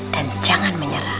dan jangan menyerah